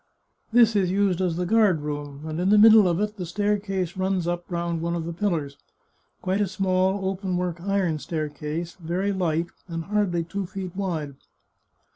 This is used as the guard room, and in the middle of it the staircase runs up round one of the pillars — quite a small, open work iron staircase, very light, and hardly two 324 The Chartreuse of Parma feet wide.